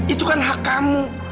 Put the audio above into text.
itu kan hak kamu